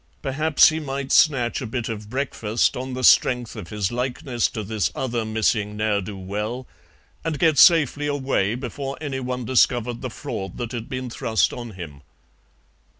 Perhaps he might snatch a bit of breakfast on the strength of his likeness to this other missing ne'er do well, and get safely away before anyone discovered the fraud that had been thrust on him.